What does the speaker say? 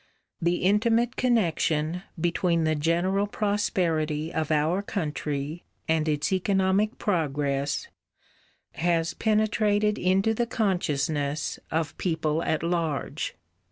The intimate connection between the general prosperity of our country and its economic progress has penetrated into the consciousness of people at large.